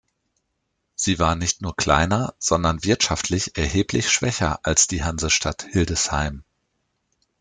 Sie war nicht nur kleiner, sondern wirtschaftlich erheblich schwächer als die Hansestadt Hildesheim.